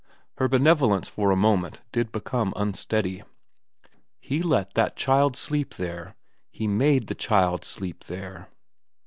... Her benevolence for a moment did become unsteady. He let the child sleep there, he made the child sleep there.